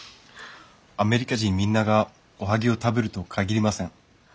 アメリカ人みんながおはぎを食べるとは限りません。